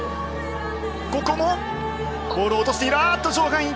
ここもボールを落としている。